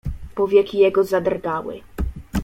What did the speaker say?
"Powieki jego zadrgały."